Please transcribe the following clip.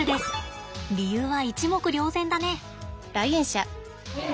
理由は一目瞭然だね。